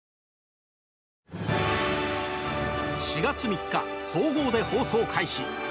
４月３日総合で放送開始